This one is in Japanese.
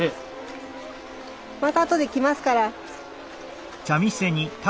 また後で来ますから。